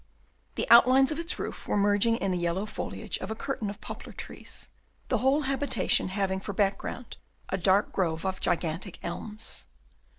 The outlines of its roof were merging in the yellow foliage of a curtain of poplar trees, the whole habitation having for background a dark grove of gigantic elms.